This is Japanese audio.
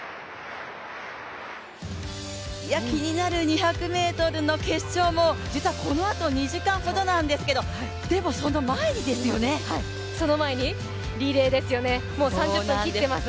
気になる２００ｍの決勝も実はこのあと２時間ほど何ですけどその前にリレーですよね、もう３０分切ってます。